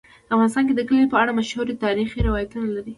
افغانستان د کلي په اړه مشهور تاریخی روایتونه لري.